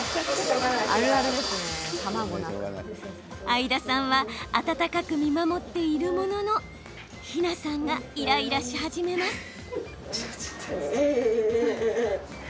相田さんは温かく見守っているものの緋奈さんがイライラし始めます。